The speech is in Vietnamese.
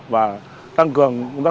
và tăng cường